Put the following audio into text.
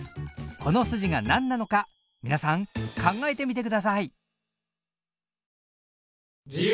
この筋が何なのか皆さん考えてみてください。